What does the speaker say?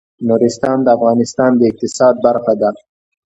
نورستان د افغانستان د اقتصاد برخه ده.